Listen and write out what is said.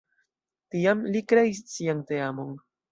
Tiam li kreis sian teamon.